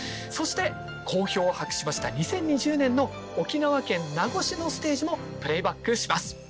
そして好評を博しました２０２０年の沖縄県名護市のステージもプレーバックします。